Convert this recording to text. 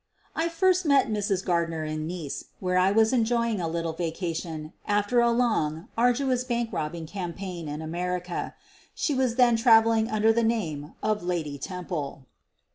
I first met Mrs. Gardner in Nice, where I was enjoying a little vacation after a long, arduous bank robbing campaign in America. She was then traveling under the name of Lady Temple.